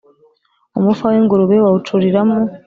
Umufa w'ingurube bawucuriramo!